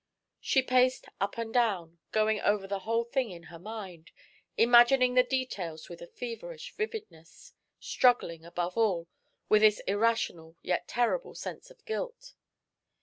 She paced up and down, going over the whole thing in her mind, imagining the details with a feverish vividness, struggling, above all, with this irrational, yet terrible sense of guilt.